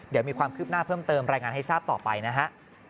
เดี๋ยวมีความคืบหน้าเพิ่มเติมรายงานให้ทราบต่อไปนะฮะ